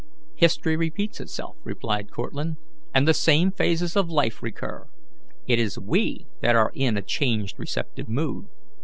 "History repeats itself," replied Cortlandt, "and the same phases of life recur. It is we that are in a changed receptive mood.